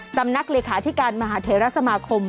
สำนักเลขาธิการมหาเทราสมาคม